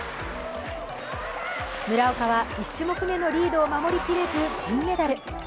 村岡は１種目めのリードを守りきれず銀メダル。